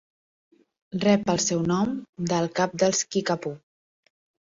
Rep el seu nom del cap dels kickapoo.